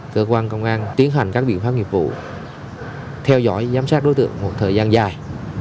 cơ quan công an tiến hành các biện pháp nghiệp vụ theo dõi giám sát đối tượng một thời gian dài